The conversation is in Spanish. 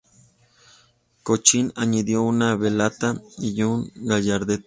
Cochin añadió una veleta y un gallardete.